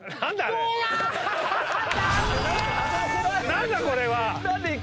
何だ⁉これは！